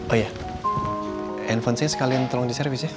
oh ya handphone saya sekalian tolong di service ya